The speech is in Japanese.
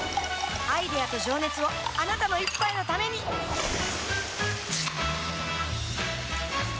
アイデアと情熱をあなたの一杯のためにプシュッ！